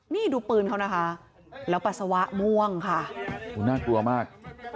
นี่ดูปืนเขานะคะแล้วปัสสาวะม่วงค่ะน่ากลัวมาก